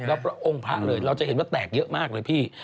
แล้วพระองค์พระเลยเราจะเห็นว่าแตกเยอะมากเลยพี่